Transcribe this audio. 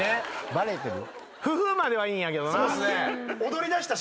バレてる。